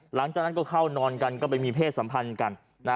หลังจากนั้นก็เข้านอนกันก็ไปมีเพศสัมพันธ์กัน